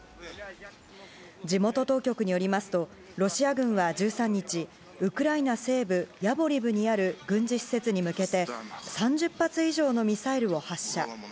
地元当局によりますとロシア軍は１３日ウクライナ西部ヤボリブにある軍事施設に向けて３０発以上のミサイルを発射。